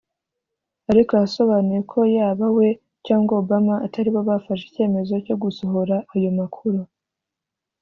Ariko yasobanuye ko yaba we cg Obama ataribo bafashe icyemezo cyo gusohora ayo makuru